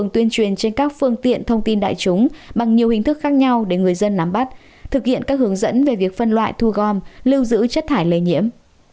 tuyên truyền trên các phương tiện thông tin đại chúng bằng nhiều hình thức khác nhau để người dân nắm bắt thực hiện các hướng dẫn về việc phân loại thu gom lưu giữ chất thải lây nhiễm